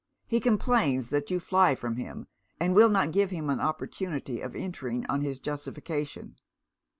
He complains that you fly from him, and will not give him an opportunity of entering on his justification.'